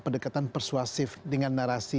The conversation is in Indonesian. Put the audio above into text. pendekatan persuasif dengan narasi